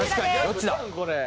どっちだ！？